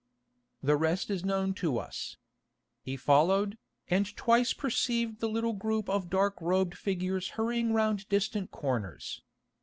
The rest is known to us. He followed, and twice perceived the little group of dark robed figures hurrying round distant corners.